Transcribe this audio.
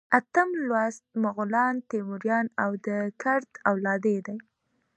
اتم لوست مغولان، تیموریان او د کرت اولادې دي.